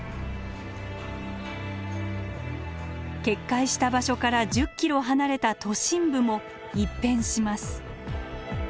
決壊した場所から１０ｋｍ離れた都心部も一変します。